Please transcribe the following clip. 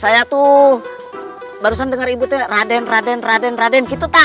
saya tuh barusan dengar ibu tuh raden raden raden raden gitu